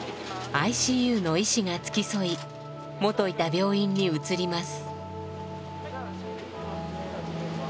ＩＣＵの医師が付き添い元いた病院に移ります。